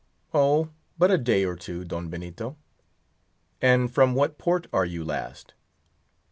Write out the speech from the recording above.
"Oh, but a day or two, Don Benito." "And from what port are you last?"